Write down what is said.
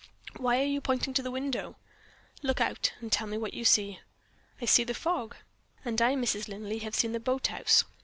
Why are you pointing to the window?" "Look out, and tell me what you see." "I see the fog." "And I, Mrs. Linley, have seen the boathouse.